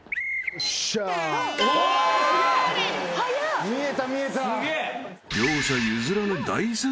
見えた見えた。